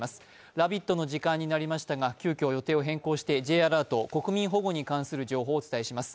「ラヴィット！」の時間になりましたが急きょ予定を変更してＪアラート、国民保護に関する情報をお伝えします。